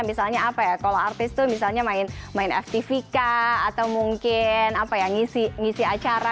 misalnya apa ya kalau artis tuh misalnya main ftvk atau mungkin ngisi acara